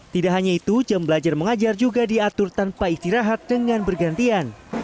tidak hanya itu jam belajar mengajar juga diatur tanpa istirahat dengan bergantian